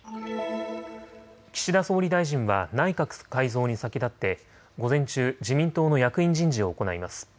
岸田総理大臣は内閣改造に先立って午前中、自民党の役員人事を行います。